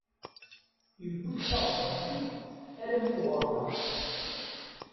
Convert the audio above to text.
Tewwiḍ-d taɣebbaṛt-ik armi d ɣur-neɣ.